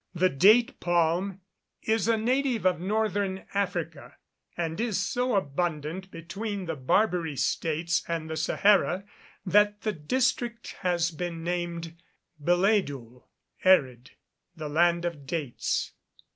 The date palm is a native of northern Africa, and is so abundant between the Barbary states and the Sahara, that the district has been named Biledul erid, the land of dates.